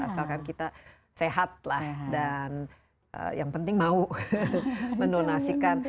asalkan kita sehat lah dan yang penting mau mendonasikan